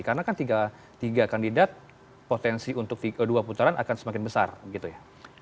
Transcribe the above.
karena kan tiga kandidat potensi untuk dua putaran akan semakin besar gitu ya